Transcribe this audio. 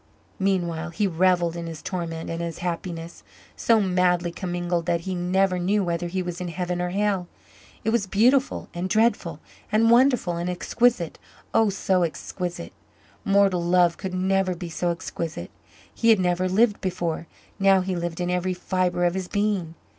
Meanwhile he revelled in his torment and his happiness so madly commingled that he never knew whether he was in heaven or hell. It was beautiful and dreadful and wonderful and exquisite oh, so exquisite. Mortal love could never be so exquisite. He had never lived before now he lived in every fibre of his being.